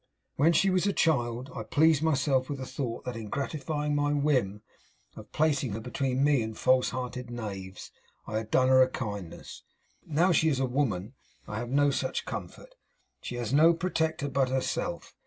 When she was a child, I pleased myself with the thought that in gratifying my whim of placing her between me and false hearted knaves, I had done her a kindness. Now she is a woman, I have no such comfort. She has no protector but herself.